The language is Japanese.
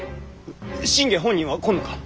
信玄本人は来んのか？